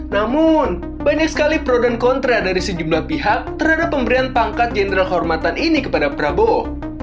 namun banyak sekali pro dan kontra dari sejumlah pihak terhadap pemberian pangkat jenderal kehormatan ini kepada prabowo